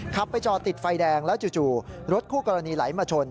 ไปจอดติดไฟแดงแล้วจู่รถคู่กรณีไหลมาชน